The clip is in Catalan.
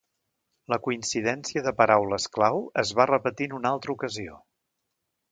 La coincidència de paraules clau es va repetir en una altra ocasió.